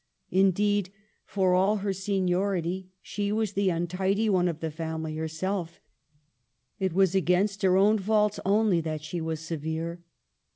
Indeed, for all her seniority, she was the untidy one of the family herself ; it was against her own faults only that she was severe.